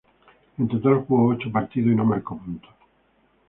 En total jugó ocho partidos y no marcó puntos.